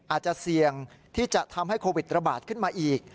อาจจะเสี่ยงที่จะทำให้โควิดระบาดขึ้นมาอีก